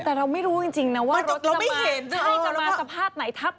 แต่เราไม่รู้จริงนะว่ารถจะมาสภาพไหนทับ